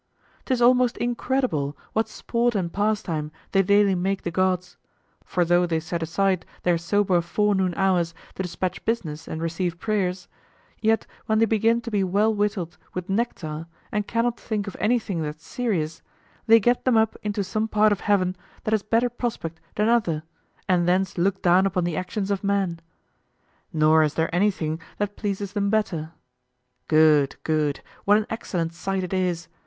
'Tis almost incredible what sport and pastime they daily make the gods; for though they set aside their sober forenoon hours to dispatch business and receive prayers, yet when they begin to be well whittled with nectar and cannot think of anything that's serious, they get them up into some part of heaven that has better prospect than other and thence look down upon the actions of men. Nor is there anything that pleases them better. Good, good! what an excellent sight it is!